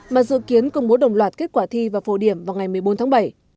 mà dự kiến công bố đồng loạt kết quả thi và phổ điểm vào ngày một mươi bốn tháng bảy